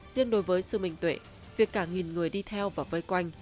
riêng đối với sự minh tuệ việc cả nghìn người đi theo và vây quanh